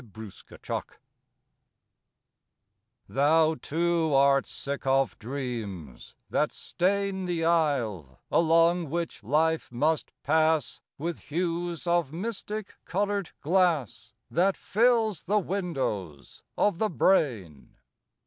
PAUSE Thou too art sick of dreams, that stain The aisle, along which life must pass, With hues of mystic colored glass, That fills the windows of the brain.